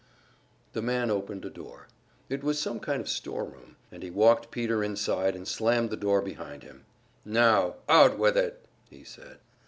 The man opened a door. It was some kind of storeroom, and he walked Peter inside and slammed the door behind him. "Now, out with it!" he said.